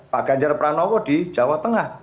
pak ganjar pranowo di jawa tengah